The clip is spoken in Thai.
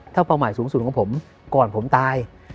ถ้าเป้าหมายสูงสุดของผมก่อนผมตาย